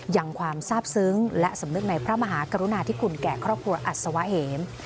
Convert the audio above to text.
ยังความทราบซึ้งและสำนึกในพระมหากรุณาธิคุณแก่ครอบครัวอัศวะเหม